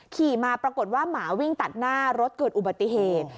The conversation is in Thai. ขี่มาปรากฏว่าหมาวิ่งตัดหน้ารถเกิดอุบัติเหตุ